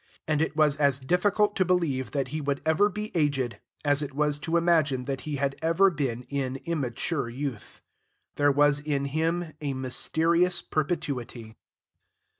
And it was as difficult to believe that he would ever be aged as it was to imagine that he had ever been in immature youth. There was in him a mysterious perpetuity.